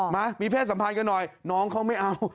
มามีเพศสัมพันธ์กันหน่อยน้องเขาไม่เอา